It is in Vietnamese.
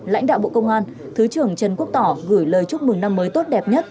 lãnh đạo bộ công an thứ trưởng trần quốc tỏ gửi lời chúc mừng năm mới tốt đẹp nhất